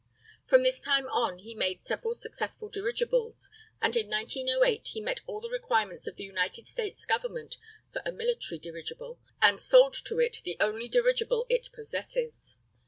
From this time on he made several successful dirigibles, and in 1908 he met all the requirements of the United States Government for a military dirigible, and sold to it the only dirigible it possesses.